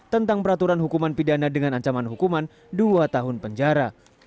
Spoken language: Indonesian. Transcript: tentang peraturan hukuman pidana dengan ancaman hukuman dua tahun penjara